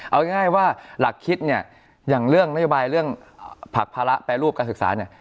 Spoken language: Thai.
เอาง่ายว่าหลักคิดเนี่ยอย่างเรื่องนโยบายเรื่องผลักภาระแปรรูปการศึกษาเนี่ย